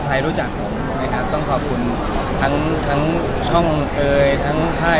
ใครรู้จักผมถูกไหมครับต้องขอบคุณทั้งทั้งช่องเอ่ยทั้งค่าย